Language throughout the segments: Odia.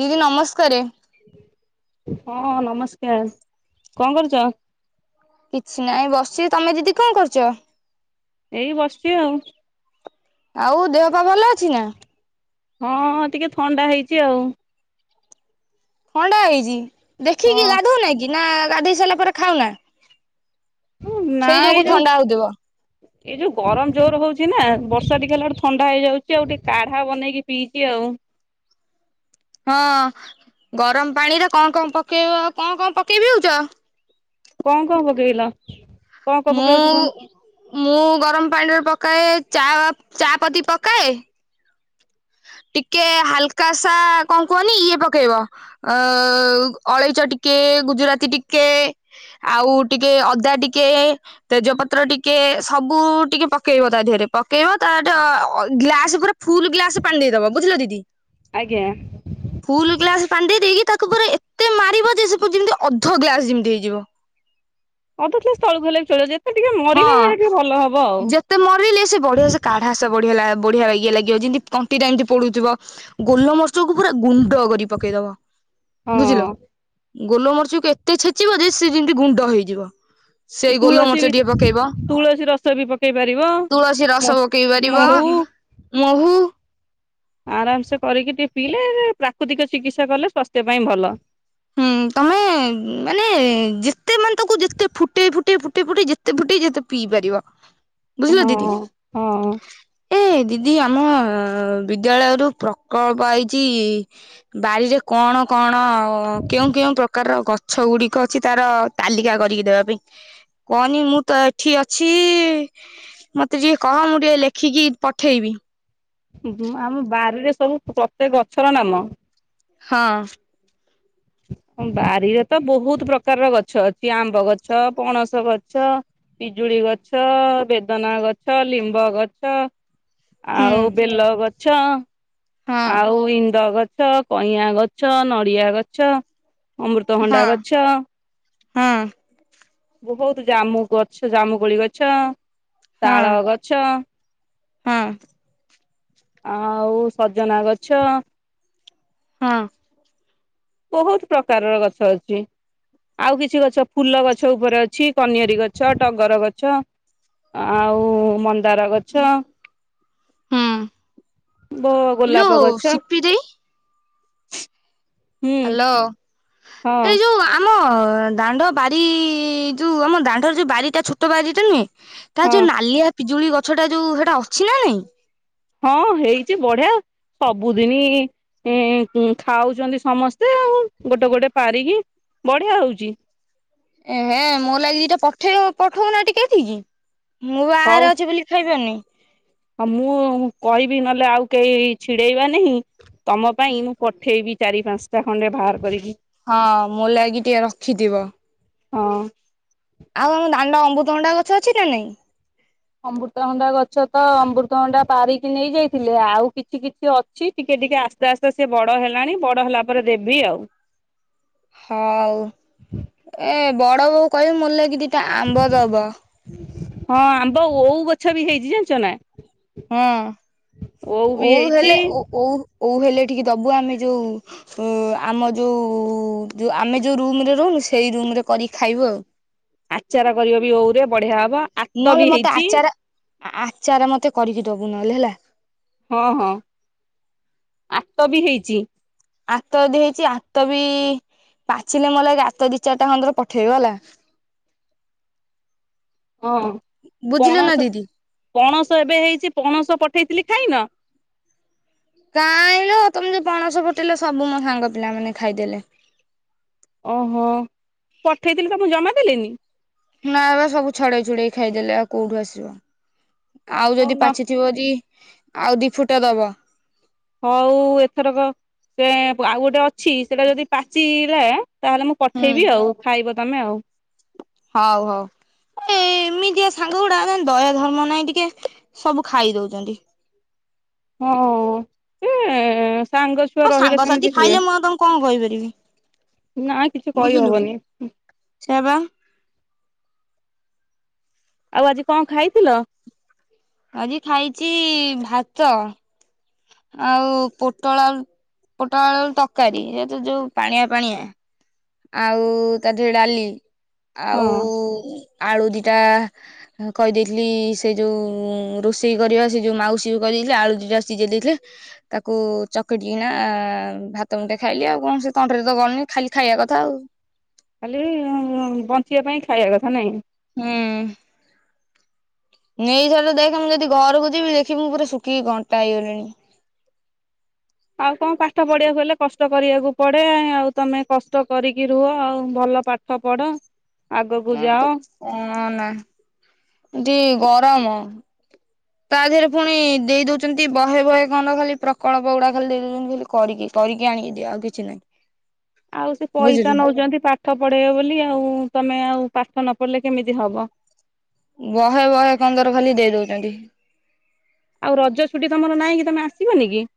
ଦିଦି ନମସ୍କାରେ। ହଁ ନମସ୍କାର। କନ କରୁଛ? କିଛି ନାହିଁ ବସିଛି, ତମେ ଦିଦି କନ କରୁଛ? ଏଇ ବସିଛି ଆଉ। ଆଉ ଦେହ ପା ଭଲ ଅଛି ନା? ହଁ ହଁ ଟିକେ ଥଣ୍ଡା ହେଇଛି ଆଉ। ଥଣ୍ଡା ହେଇଛି ଦେଖିକି ହଁ ଗାଧଉନାହାଁ କି ନା ଗାଧେଇ ସାରିଲା ପରେ ଖାଉନା? ନା ସେଇ ଯୋଗୁ ଏଇ ଯୋଉ ଥଣ୍ଡା ହଉଥିବ। ଏଇ ଯୋଉ ଗରମ ଜୋର ହଉଛି ନା ବର୍ଷା ଟିକେ ହେଲା ଥଣ୍ଡା ହେଇଯାଉଛି ଆଉ ଟିକେ କାଢା ବନେଇକି ପିଇଛି ଆଉ। ହଁ ଗରମ ପାଣିରେ କନ କନ ପକେଇବ କନ କନ ପକେଇ ପିଉଚ? କନ କନ ପକେଇଲ? କଣ କଣ ପକେଇଛ କଣ ମୁଁ ମୁଁ ଗରମ ପାଣିରେ ପକାଏ ଚା ଚାପତି ପକାଏ ଟିକେ ହାଲକା ସା କନ କୁହନି ଇଏ ପକେଇବ ଅ ଅଳେଇଚ ଟିକେ, ଗୁଜୁରାତି ଟିକେ ଆଉ ଟିକେ ଅଦା ଟିକେ ତେଜପତ୍ର ଟିକେ ସବୁ ଟିକେ ପକେଇବ ତା ଦେହରେ ପକେଇବ ତାର ଗ୍ଲାସ ପୁରା ଫୁଲୁ ଗ୍ଲାସ ପାଣି ଦେଇଦବ ବୁଝିଲ ଦିଦି ଆଜ୍ଞା। ଫୁଲୁ ଗ୍ଲାସେ ପାଣି ଦେଇଦେଇକି ତାକୁ ପୁରା ଏତେ ମାରିବ ଯେ ସେ ଯେମିତି ଅଧ ଗ୍ଲାସେ ଯେମିତି ହେଇଯିବ ଅଧ ଗ୍ଲାସ ତଳୁକୁ ହେଲେବି ଚଳି ଯେମ ହଁ ଯେତେ ମରିଲେ ସେ ବଢିଆ ସେ କାଢା ଘାସ ବଢ଼ିଗଲା ବଢ଼ିଆ ଲାଗିବ ଯେମିତି ତଣ୍ଟି ଟା ଏମିତି ପଢ଼ୁଥିବ ଗୋଲମର୍ଚକୁ ପୁରା ଗୁଣ୍ଡ କରି ପକେଇଦବ ବୁଝିଲ? ହଁ ଗୋଲମରିଚକୁ ଏତେ ଛେଚିବ ଯେ ସେ ଯେମିତି ଗୁଣ୍ଡ ହେଇଯିବ। ସେଇ ତୁଳସୀ ଗୋଲମରିଚ ବି ଟିକେ ପକ ପକେଇବ ତୁଳସୀ ରସ ବି ପକେଇ ପାରିବ ତୁଳସୀ ମୋ ରସ ପକେଇ ପାରିବ ମହୁ ମହୁ ଆରାମସେ କରିକି ଟିକେ ପିଇଲେ ପ୍ରାକୃତିକ ଚିକିତ୍ସା କଲେ ସ୍ୱାସ୍ଥ୍ୟ ପାଇଁ ଭଲ। ହୁଁ ତମେ ମାନେ ଯେତେ ମାନେ ତାକୁ ଯେତେ ଫୁଟେଇ ଫୁଟେଇ ଫୁଟେଇ ଫୁଟେଇ ଯେତେ ଯେତେ ଫୁଟେଇ ଯେତେ ପିଇ ପାରିବ। ବୁଝିଲ ହଁ ଦିଦି। ହଁ ଏ ଦିଦି ଆମ ବିଦ୍ୟାଳୟରୁ ପ୍ରକଳ୍ପ ଆଇଚି ବାରିରେ କଣ କଣ କେଉଁ କେଉଁ ପ୍ରକାରର ଗଛ ଗୁଡିକ ଅଛି ତାର ତାଲିକା କରିକି ଦେବା ପାଇଁ। କଅନି ମୁଁ ତ ଏଠି ଅଛି ମତେ ଟିକେ କଅ ମୁଁ ଟିକେ ଲେଖିକି ପଠେଇବି। ବୁ ଉ ଆମ ବାରିରେ ସବୁ ପ୍ରତ୍ୟେକ ଗଛର ନାମ। ହଁ। ବାରିରେ ତ ବୋହୁତ ପ୍ରକାରର ଗଛ ଅଛି ଆମ୍ବ ଗଛ ପଣସ ଗଛ ପିଜୁଳି ଗଛ ବେଦନା ଗଛ ଲିମ୍ବ ଗଛ ହୁଁ ଆଉ ବେଲ ଗଛ। ହଁ ଆଉ ଇନ୍ଦ ଗଛ କଇଁଆଁ ଗଛ ନଡିଆ ଗଛ। ଅମୃତ ଭଣ୍ଡା ହଁ ଗଛ। ହଁ ବୋହୁତ ଜାମୁ ଗଛ ଜାମୁ କୋଳି ଗଛ। ହଁ ହଁ ତାଳଗଛଆଉ ସଜନା ଗଛ ହଁ। ବୋହୁତୁ ପ୍ରକାରର ଗଛ ଅଛି। ଆଉ କିଛି ଗଛ ଫୁଲ ଗଛ ଉପରେ ଅଛି କନିଅରି ଗଛ ଟଗର ଗଛ। ଆଉ ମନ୍ଦାର ଗଛ। ହୁଁ। ବ ଗୋଲାପ ଗଛ। ଦେଇ ହୁଁ ହଁ ହାଲୋଏଯୋଉ ଆମ ଦାଣ୍ଡ ବାରି ଯୋଉ ଆମ ଦାଣ୍ଡର ଯୋଉ ବାରିଟା ଛୋଟ ବାରିଟା ନୁହେଁ ହଁ ତାରଯୋଉ ନାଲିଆ ପିଜୁଳି ଗଛଟା ଯୋଉ ହେଟା ଅଛି ନା ନାଇଁ? ହଁ ହେଇଚି ବଢିଆ ସବୁଦିନି ଏଁ ଖାଉଚନ୍ତି ସମସ୍ତେ ଆଉ ଗୋଟେ ଗୋଟେ ପାରିକି ବଢ଼ିଆ ହୋଉଚି। ଏ ହେ ମୋ ଲାଗି ଦିଟା ପଠେଇବ ପଠଉନ ଟିକେ ଏଠିକି କି ମୁଁପା ହଉ। ଅଛି ବୋଲି ଖାଇବାନି। ହଁ ମୁଁ କହିବି ନହେଲେ ଆଉ କେଇ ଛିଡେଇବା ନାହିଁ ତମ ପାଇଁ ମୁଁ ପଠେଇବି। ଚାରି ପାସଂଟା ଖଣ୍ଡେ ବାହାର କରିକି। ହଁ ମୋ ଲାଗି ଟିକେ ରଖିଥିବ। ହଁ। ଆଉ ଆମ ଦାଣ୍ଡ ଅମୃତଭଣ୍ଡା ଗଛ ଅଛି ନା ନାଇଁ? ଅମୃତ୍ରଭଣ୍ଡା ଗଛ ତ ଅମୃତଭଣ୍ଡା ପାରିକି ନେଇଯାଇଥିଲେ ଆଉ କିଛି କିଛି ଅ ଛି ଟିକେ ଟିକେ ଆସ୍ତେ ଆସ୍ତେ ସିଏ ବଡ ହେଲାଣି ବଡ ହେଲା ପରେ ଦେବି ଆଉ। ହଉ ଏ ବଡ ବୋଉ କହିବ ମୋ ଲାଗି ଦିଟା ଆମ୍ବ ଦବ। ହଁ ଆମ୍ବ ଓଉ ଗଛ ବି ହେଇଚି ଜାଣିଚ ନା। ହଁ ବି ଓଉ ହେଇଛି ହେଲେ ଓ ଓଉ ଓଉ ହେଲେ ଟିକେ ଦୋବୁ ଆମେ ଯୋଉ ଓ ଆମ ଯୋଉ ଆମେ ଯୋଉ ରୁମରେ ରୋହୁନୁ ସେଇ ରୁମରେ କରିକି ଖାଇବୁ ଆଉ। ଆଚାର କରିବ ବି ଓଉ ରେ ବଢିଆ ହବ। ଆତ ନଲେ ବି ମତେ ହେଇଛି ଆଚାର ଆଚାର ମତେ କରିକି ଦୋବୁ ନଲେ ହେଲା। ହଁ ହଁ ଆତ ବି ହେଇଚି। ଆତ ଅଦି ହେଇଚି ଆତ ବି ପାଚିଲେ ମୋ ଲାଗି ଗାତ ଦିଇ ଚାରିଟା ଖଣ୍ଡର ପଠେଇବ ହେଲା। ହଁ ବୁଝିଲ ନା ପଣସ ଦିଦି ପଣସ ଏବେ ହେଇଛି ପଣସ ପଠେଇଥିଲି ଖାଇନ? କାଇଲୋ ତମେ ଯୋଉ ପଣସ ପଠେଇଲ ସବୁ ମୋ ସାଙ୍ଗ ପିଲା ମାନେ ଖାଇଦେଲେ। ଓହୋ ପଠେଇଥିଲି ତମକୁ ଜମା ଦେଲେନି? ନା ବା ସବୁ ଛଡେଇ ଛୁଡେଇ ଖାଇଦେଲେ ଆଉ କୋଉଠୁ ଆସିବ ଆଉ ହଉ ଯଦି ନ ପାଚ ପଚିବ ଯଦି ଆଉ ଦି ଫୁଟ ଦବ। ହଉ ଏଥରକ ସେ ଆଉ ଗୋଟେ ଅଛି ସେଇଟା ଯଦି ପାଚିଲା ତାହେଲେ ମୁଁ ହୁଁ ପଠେଇବି ଆଉ ଖାଇବ ତମେ ଆଉ। ହଉ ହଉ। ଏ ଏମିତିଆ ସାଙ୍ଗ ଗୁଡା ଦୟା ଧର୍ମ ନାଇଁ ଟିକେ ସବୁ ଖାଇ ଦଉଛନ୍ତି। ହଁ ଏ ସାଙ୍ଗ ଛୁଆ ମୋ ରହିଲେ ସାଙ୍ଗସାଥି ସେମିତି ହୁଏ ଖାଇଲେ ମୁଁ ଆଉ ତାଙ୍କୁ କଣ କହିପାରିବି ନା କିଛି ବୁଝିଲୁ। କହିହବନି ସେୟାଵା। ଆଉ ଆଜି କଣ ଖାଇଥିଲ? ଆଜି ଖାଇଛି ଭାତ ଆଉ ପୋଟଳ ଆଳୁ ପୋଟଳ ଆଳୁ ତରକାରୀ ସେତ ଯୋଉ ପାଣିଆ ପାଣିଆ ଆଉ ତା ଦେହରେ ଡାଲି ଆଉ ହଁ ଆଳୁ ଦିଟା କହିଦେଇଥିଲି ସେ ଯୋଉ ରୋଷେଇ କରିବା ସେ ଯୋଉ ମାଉସୀ କହିଦେଇଥିଲି ଆଳୁ ଦିଟା ସିଜେଇ ଦେଇଥିଲେ। ତାକୁ ଚକଟିକନା ଭାତ ମୁଠାଏ ଖାଇଲି ଆଉ କଣ ସେ ତଣ୍ଟିରେ ତ ଗଲୁନି ଖାଲି ଖାଇବା କଥା ଆଉ। ଖାଲି ବଞ୍ଚିବା ପାଇଁ ଖାଇବା କଥା ନାଇଁ? ହୁଁ। ନେଇଥର ଦେଖା ମୁଁ ଯଦି ଘରକୁ ଯିବି ଦେଖି ମୁଁ ପୁରା ଶୁଖିକି କଣ୍ଟା ହେଇଗଲିଣି। ଆଉ କଣ ପାଠ ପଢିବାକୁ ହେଲେ କଷ୍ଟ କରିବାକୁ ପଡେ ଆଉ ତମେ କଷ୍ଟ କରିକି ରୁହ ଆଉ ଭଲ ପାଠ ପାଠ ପଢ। ଆଗକୁ ଯାଅ କଣ ନା ଏଠି ଗରମ। ତା ଦେହରେ ପୁଣି ଦେଇ ଦଉଛନ୍ତି ବହେ ବହେ କଣ୍ଡ ଖାଲି ପ୍ରକଳ୍ପ ଗୁଡା ଖାଲି ଦେଇ ଦଉଛନ୍ତି ଖାଲି କରିକି କରିକି ଆଣିିକି ଦିଅ ଆଉ କିଛି ନାହିଁ। ହ ଆଉ ସେ ପଇସା ବୁଝିଲୁ। ନଉଛନ୍ତି ପାଠ ପଢେଇବେ ବୋଲି ଆଉ ତମେ ଆଉ ପାଠ ନ ପଢିଲେ କେମିତି ହବ। ବହେ ବହେ କନ୍ଦର ଖାଲି ଦେଇ ଦଉଛନ୍ତି। ଆଉ ରଜ ଛୁଟି ତମର ନାହିଁ କି ତମେ ଆସିବନି କି?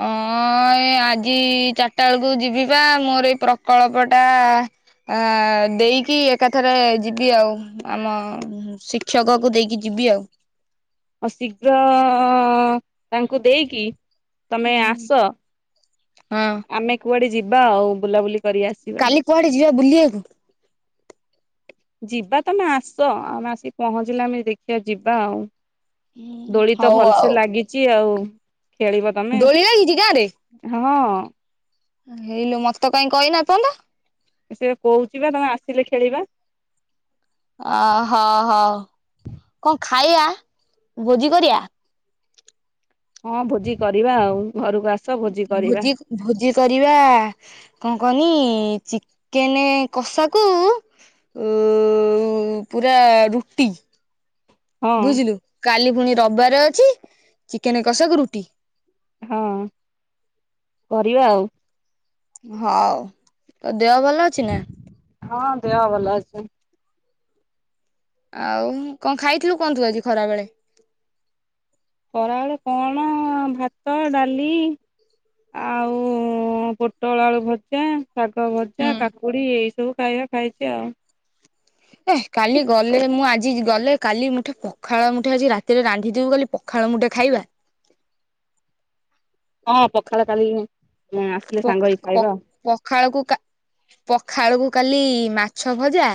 ହ। ହଁ ଏଇ ଆଜି ଚାରିଟା ବେଳକୁ ଯିବି ପା ମୋର ଏଇ ପ୍ରକଳ୍ପ ଟା ଅ ଦେଇକି ଏକାଥରେ ଯିବି ଆଉ ଆମ ଶିକ୍ଷକକୁ ଦେଇକି ଯିବି ଆଉ। ହ ଶୀଘ୍ର ତାଙ୍କୁ ଦେଇକି ତମେ ଆସ। ହଁ। ଆମେ କୁଆଡେ ଯିବା ଆଉ ବୁଲାବୁଲି କରି ଆସିବା। କାଲି କୁଆଡେ ଯିବା ବୁଲିବାକୁ। ଯିବା ତମେ ଆସ ଆମେ ଆସିକି ପହଞ୍ଚିଲେ ଆମେ ଦେଖିବା ଯିବା ଆଉ। ଦୋଳି ତ ହଉ ଆଉ ଭଲସେ ଲାଗିଚ ଆଉ ଖେଳିବା ଦୋଳି ଲାଗିଛି ଗାଁ ରେ? ହଁ। ହେଇଲୁ ମତେତ କାଇଁ କହିନା ଏପର୍ଯ୍ୟନ୍ତ। ସେ କହୁଚିବା ତମେ ଆସିଲେ ଖେଳିବା। ଅ ହଉ ହଉ କଁ ଖାଇବା ଭୋଜି କରିବା? ହଁ ଭୋଜି କରିବା ଆଉ ଘରକୁ ଆ ଭୋଜି ଭୋଜି କରିବା କଁ କଇଁନି ଚିକେନ୍ କଷାକୁ ଉଁ ପୁରା ରୁଟି ହଁ ବୁଝିଲୁ କାଲି ପୁଣି ରବିବାର ଅଛି ଚିକେନ କଷାକୁ ରୁଟି। ହଁ କରିବା ଆଉ। ହଉ ତୋ ଦେହ ଭଲ ଅଛିନା? ହଁ ଦେହ ଭଲ ଅଛି। ଆଉ କଁ ଖାଇଥିଲୁ କଁ ତୁ ଆଜି ଖରା ବେଳେ? ଖରାବେଳେ କଣ ଭାତ ଡ଼ାଲି ଆଉ ପୋଟଳ ଆଳୁ ଭଜା ଶାଗ ହୁଁ। ଭଜା କାକୁଡ଼ି ଏଇ ସବୁ ଖାଇବା ଖାଇଚି ଆଉ। ହେ କାଲି ଗଲେ ମୁଁ ଆଜି ଗଲେ କାଲି ମୁଠେ ପଖାଳ ମୁଠେ ଆଜି ରାତିରେ ରାନ୍ଧିଥିବୁ କାଲି ପଖାଳ ମୁଠେ ଖାଇବା? ହଁ ପଖାଳ କାଲିକି ପକ ପକ ପଖାଳକୁ କା ପଖାଳକୁ କାଲି ମାଛ ଭଜା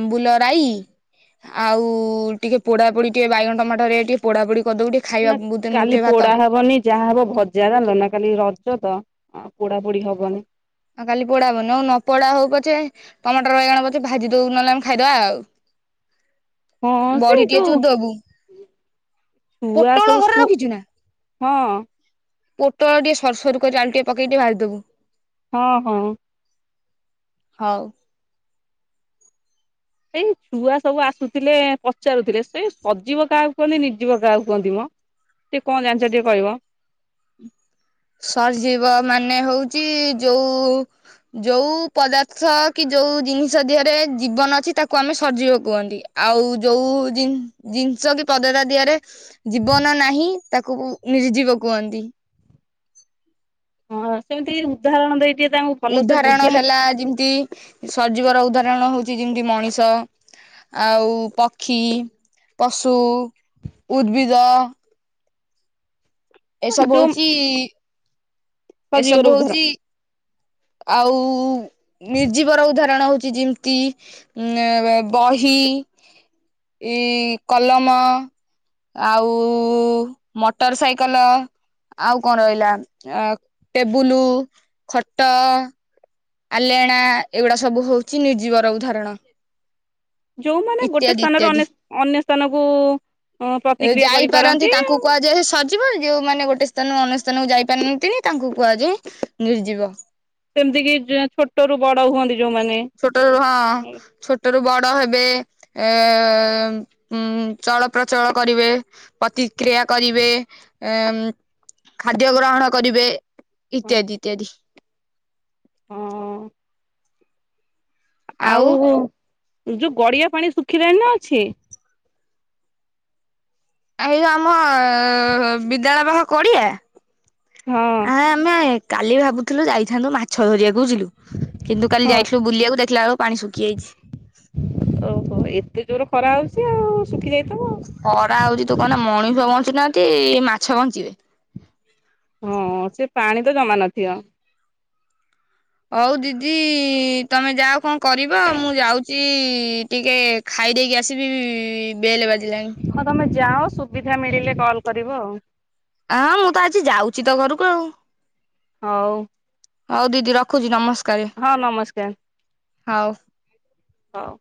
ଆମ୍ବୁଲ ରାଇଁ ଆଉ ଟିକେ ପୋଡ଼ା ପୋଡ଼ି ଟିକେ ବାଇଗଣ ଟମାଟରେ ଟିକେ ପୋଡ଼ା ପୋଡ଼ି କରିଦବୁ ଟିକେ ଖାଇବା ନା ବୁ କାଲି ମୁଠେ ଭାତ। ପୋଡ଼ା ହବନି ଯାହା ହବ ଭଜା ଯାଲୁନା କାଲି ରଜତ ପୋଡ଼ା ପୋଡ଼ି ହବନି। ଆଉ କାଲି ପୋଡ଼ା ହବନି ହଉନ ନପୋଡ଼ା ହଉ ପଛେ ଟମାଟର ବାଇଗଣ ପଛେ ଭାଜି ଦବୁ ନହେଲେ ଆମେ ଖାଇଦବା ଆଉ। ହଁ ସେ ବଡ଼ି ଟିକେ ଯୋଉ ଚୁରିଦବୁ ଛୁଆ ସବୁ ପୋଟଳ ଘରେ ସ୍କୁ ରଖିଚୁନା? ହଁ। ପୋଟଳ ଟିକେ ସରୁ ସରୁ କରି ଆଳୁ ଟିକେ ପକେଇକି ଟିକେ ଭାଜିଦବୁ? ହଁ ହଁ। ହଉ। ସେଇ ଛୁଆ ସବୁ ଆସୁଥିଲେ ପଚାରୁଥିଲେ ସେ ସଜିବ କାହାକୁ କୁହନ୍ତି ନିଜିବ କାହାକୁ କୁହନ୍ତି ମୋ? ଟିକେ କଁ ଜାଣିଚ ଟିକେ କହିବ। ସଜୀବ ମାନେ ହଉଚି ଯଉ ଯୋଉ ପଦାର୍ଥ କିଯୋଉ ଜିନିଷ ଦିହରେ ଜୀବନ ଅଛି ତାକୁ ଆମେ ସଜୀବ କୁହନ୍ତି। ଆଉ ଯୋଉ ଜିନ୍ ଜିନିଷକି ପଦାର୍ଥ ଦିହରେ ଜୀବନ ନାହିଁ ତାକୁ ନିର୍ଜୀବ କୁହନ୍ତି। ହଁ ସେମିତି ଉଦାହରଣ ଦେଇ ଟିକେ ତାଙ୍କୁ ଭଲସେ ଉଦାହରଣ ବୁଝେଇଲେ ହେଲା ଯେମିତି ସଜୀବର ଉଦାହରଣ ହଉଚି ଯେମିତି ମଣିଷ ଆଉ ପକ୍ଷୀ ପଶୁ ଉଦ୍ଭିଦ ଏସବୁ ଯୋଉ ହଉଚି ସଜୀବର ଏସବୁ ଉଦାହରଣ ହଉଚି ଆଉ ନିର୍ଜୀବର ଉଦାହରଣ ହଉଚି ଯେମିତି ଆଁ ବହି ଏଇ କଲମ ଆଉ ମଟର ସାଇ କଲ ଆଉ କଣ ରହିଲା ଟେବୁଲୁ ଖଟ ଆଲେଣା ଏଗୁଡ଼ା ସବୁ ହଉଚି ନିର୍ଜୀବର ଉଦାହରଣ ଯୋଉମାନେ ଗୋଟେ ଇତ୍ୟାଦି ସ୍ଥାନରୁ ଇତ୍ୟାଦି। ଅନ୍ୟ ଅନ୍ୟ ସ୍ଥାନକୁ ପ୍ରତିକ୍ରିୟା କରିପାରନ୍ତି ଯେହେ ସ ଜୀବ ଯୋଉମାନେ ଗୋଟେ ସ୍ଥାନ ଅନ୍ୟ ସ୍ଥାନକୁ ଯାଇ ପାରୁନାନ୍ତି ତାଙ୍କୁ କୁହାଯାଏ ନିର୍ଜିବ। ସେମିତିକିି ଛୋଟରୁ ବଡ଼ ହୁଅନ୍ତି ଯୋଉମାନେ ଛୋଟରୁ ହଁ ଛୋଟ ଛୋଟରୁ ବଡ଼ ହେବେ ଏ ଉ ଚଳ ପ୍ରଚଳ କରିବେ ପ୍ରତିକ୍ରିୟା କରିବେ ଉ ଖାଦ୍ୟ ଗ୍ରହଣ କରିବେ ଇତ୍ୟାଦି ଇତ୍ୟାଦି। ହଁ। ଆଉ ଏ ଯୋଉ ଗଡ଼ିଆ ପାଣି ଶୁଖିଲାଣିନା ଅଛି? ଏଇ ଯଉ ଆମ ବିଦ୍ୟାଳୟ ପାଖ ଗଡ଼ିଆ ହଁ ଆ ଆମେ କାଲି ଭାବୁଥିଲୁ ଯାଇଥାନ୍ତୁ ମାଛ ଧରିବାକୁ ବୁଝିଲୁ କିନ୍ତୁ କାଲି ହଁ ଯାଇଥିଲୁ ବୁଲିବାକୁ ଦେଖିଲା ବେଳକୁ ପାଣି ଶୁଖି ଯାଇଚି। ଓହୋ ଏତେ ଜୋରେ ଖରା ହଉଚି ଆଉ ଶୁଖି ଯାଇଥ ଖରା ହଉଚି ତୁ କନା ମଣିଷ ବଞ୍ଚୁନାହାନ୍ତି ମାଛ ବଞ୍ଚିବେ। ହଁ ସେପାଣିତ ଜମା ନଥିବ। ହଉ ଦିଦି ତମେ ଯାଅ କଣ କରିବ ମୁଁ ଯାଉଚି ଟିକେ ଖାଇ ଦେଇକି ଆସିବି ବେଲ୍ ବାଜିଲାଣି? ହଁ ତମେ ଯାଅ ସୁବିଧା ମିଳିଲେ କଲ୍ କରିବ ଆଉ। ହଁ ମୁଁତ ଆଜି ଯାଉଚି ତମ ଘରକୁ ଆଉ। ହଉ। ହଉ ଦିଦି ରଖୁଚି ନମସ୍କାର। ହଁ ନମସ୍କାର। ହଉ। ହଉ।